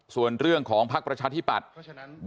ส่วนเรื่องของภักดิ์ประชาธิปัตย์